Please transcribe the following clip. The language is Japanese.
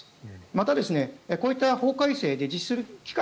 また、こういった法改正で実施する期間